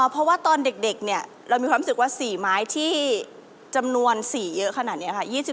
เพราะว่าตอนเด็กเนี่ยเรามีความรู้สึกว่า๔ไม้ที่จำนวน๔เยอะขนาดนี้ค่ะ